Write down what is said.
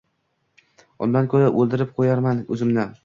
Undan ko‘ra o‘ldirib qo‘yarman o‘zimni